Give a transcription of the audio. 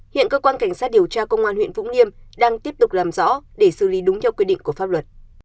hiện cơ quan cảnh sát điều tra công an huyện vũng liêm đang tiếp tục làm rõ để xử lý đúng theo quy định của pháp luật